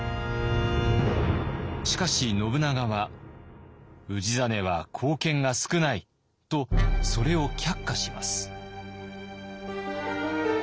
しかし信長は「氏真は貢献が少ない」とそれを却下します。